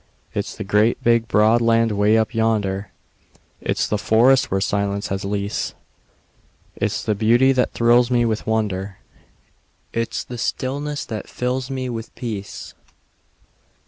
It's the great, big, broad land 'way up yonder, It's the forests where silence has lease; It's the beauty that thrills me with wonder, It's the stillness that fills me with peace.